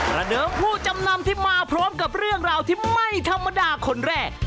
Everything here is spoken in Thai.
ระเดิมผู้จำนำที่มาพร้อมกับเรื่องราวที่ไม่ธรรมดาคนแรก